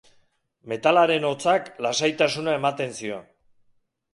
Metalaren hotzak lasaitasuna ematen zion.